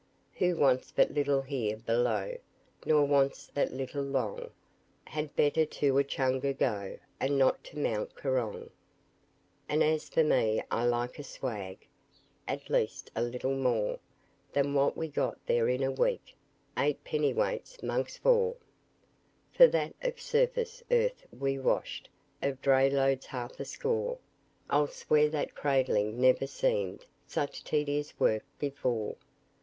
Who wants but little here below, Nor wants that little long, Had better to Echunga go, And not to Mount Coorong. But as for me I like a swag, At least a little more Than what we got there in a week Eight pennyweights 'mongst four. For that, of surface earth we washed Of dray loads half a score; I'll swear that cradling never seemed Such tedious work before.